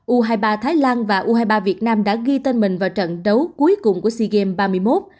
u hai mươi ba thái lan và u hai mươi ba việt nam đã ghi tên mình vào trận đấu cuối cùng của sea games ba mươi một